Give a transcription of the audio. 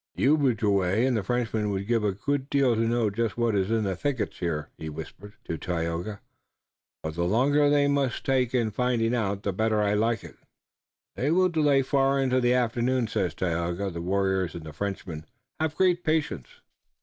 "The Ojibway and the Frenchman would give a good deal to know just what is in the thickets here," he whispered to Tayoga. "But the longer they must take in finding out the better I like it." "They will delay far into the afternoon," said Tayoga. "The warriors and the Frenchmen have great patience.